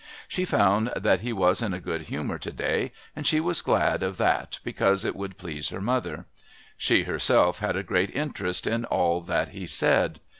She found that he was in a good humour to day, and she was glad of that because it would please her mother. She herself had a great interest in all that he said.